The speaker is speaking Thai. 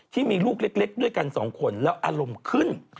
ที่มีลูกเล็กด้วยกัน๒คนแล้วอารมณ์ขึ้น